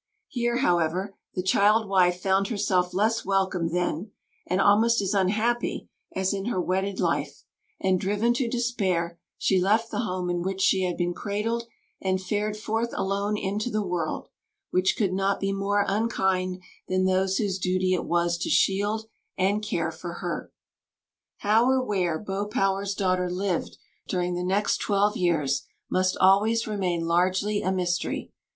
Here, however, the child wife found herself less welcome than, and almost as unhappy as in her wedded life; and, driven to despair, she left the home in which she had been cradled, and fared forth alone into the world, which could not be more unkind than those whose duty it was to shield and care for her. How, or where, Beau Power's daughter lived during the next twelve years must always remain largely a mystery.